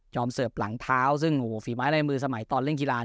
เสิร์ฟหลังเท้าซึ่งฝีไม้ลายมือสมัยตอนเล่นกีฬา